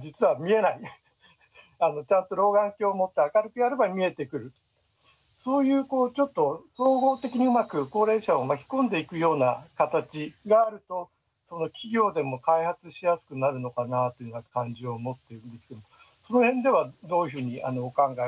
電子レンジが台所の奥にあってそういうちょっと総合的にうまく高齢者を巻き込んでいくような形があると企業でも開発しやすくなるのかなっていうような感じを持ってるんですけどその辺ではどういうふうにお考えでしょうか。